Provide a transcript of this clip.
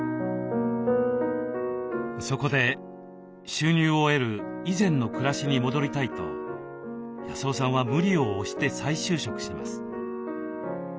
そこで収入を得る以前の暮らしに戻りたいと康雄さんは無理を押して再就職します。